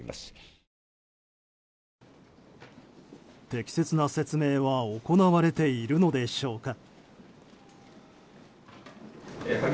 適切な説明は行われているのでしょうか。